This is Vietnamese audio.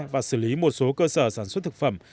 và xử lý một số cơ sở sản xuất thực phẩm